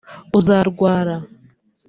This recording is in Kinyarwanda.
uzarwara